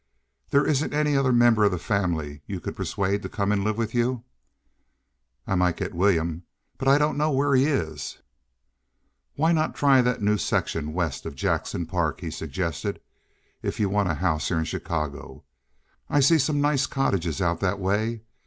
"There isn't any other member of the family you could persuade to come and live with you?" "I might get William, but I don't know where he is." "Why not try that new section west of Jackson Park," he suggested, "if you want a house here in Chicago? I see some nice cottages out that way.